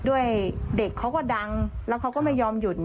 เด็กเขาก็ดังแล้วเขาก็ไม่ยอมหยุด